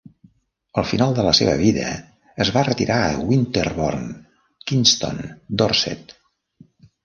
Al final de la seva vida, es va retirar a Winterborne Kingston, Dorset.